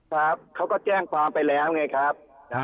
ครับเขาก็แจ้งความไปแล้วไงครับ